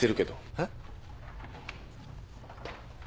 えっ？